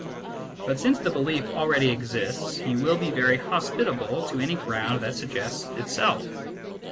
But since the belief already exists, he will be very hos pitable to any ground that suggests itself.